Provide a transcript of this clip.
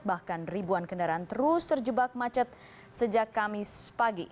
bahkan ribuan kendaraan terus terjebak macet sejak kamis pagi